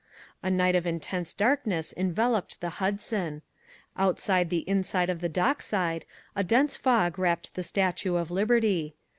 A night of intense darkness enveloped the Hudson. Outside the inside of the dockside a dense fog wrapped the Statue of Liberty.